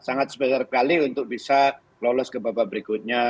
sangat sebesar sekali untuk bisa lolos ke babak berikutnya